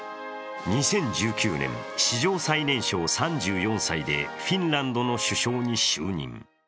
２０１９年史上最年少、３４歳でフィンランドの首相に就任。